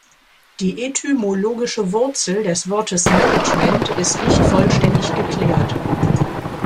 Die etymologische Wurzel des Wortes "Management" ist nicht vollständig geklärt.